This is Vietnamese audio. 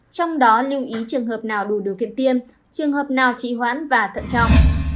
trong đó lưu ý trường hợp nào đủ điều kiện tiêm trường hợp nào trị hoãn và thận trọng